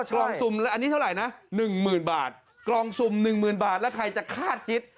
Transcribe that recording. กล่องสุ่มอันนี้เท่าไหร่นะหนึ่งหมื่นบาทกล่องสุ่มหนึ่งหมื่นบาทแล้วใครจะคาดคิด